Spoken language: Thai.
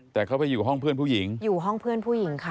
แต่เขาไปอยู่ห้องเพื่อนผู้หญิงอยู่ห้องเพื่อนผู้หญิงค่ะ